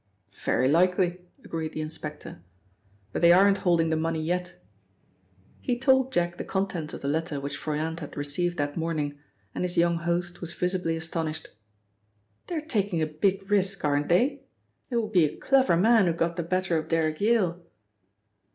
"Very likely," agreed the inspector, "but they aren't holding the money yet." He told Jack the contents of the letter which Froyant had received that morning, and his young host was visibly astonished. "They're taking a big risk, aren't they? It would be a clever man who got the better of Derrick Yale."